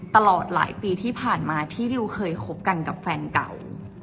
ตลอดหลายปีที่ผ่านมาที่ดิวเคยคบกันกับแฟนเก่า